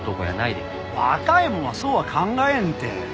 若いもんはそうは考えんて。